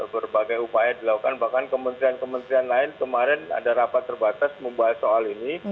berbagai upaya dilakukan bahkan kementerian kementerian lain kemarin ada rapat terbatas membahas soal ini